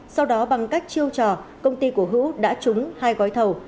sau đó bằng cách chiêu trò công ty của hữu đã trúng hai gói thầu